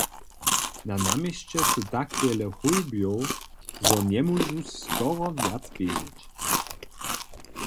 Na naměsće su tak wjele hołbjow, zo njemóžu skoro wjac běžeć.